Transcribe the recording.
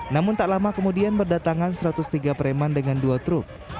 namun tak lama kemudian berdatangan satu ratus tiga preman dengan dua truk